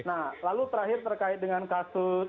nah lalu terakhir terkait dengan kasus